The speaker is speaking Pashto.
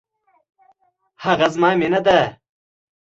هغه زما مینه ده